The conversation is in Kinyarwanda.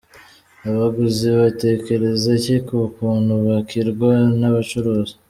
Abaguzi batekereza iki ku kuntu bakirwa n’abacuruzi?.